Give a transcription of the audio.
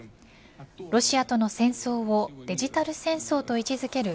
ロシアとの戦争をデジタル戦争と位置づける